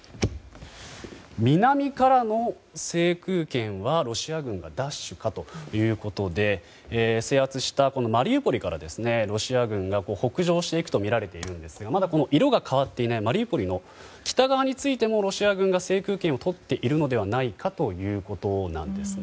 南からの制空権はロシア軍が奪取かということで制圧したマリウポリからロシア軍が北上していくとみられているんですがまだ色が変わっていないマリウポリの北側についてもロシア軍が制空権をとっているのではないかということです。